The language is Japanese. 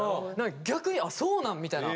逆にあそうなん？みたいな。